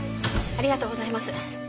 ありがとうございます。